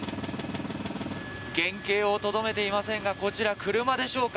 原形をとどめていませんがこちら、車でしょうか。